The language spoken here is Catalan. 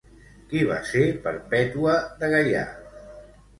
Qui va ser Perpètua de Gaià?